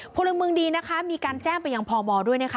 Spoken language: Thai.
พลเมืองดีนะคะมีการแจ้งไปยังพมด้วยนะคะ